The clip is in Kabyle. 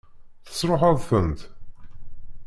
Tesṛuḥeḍ-tent?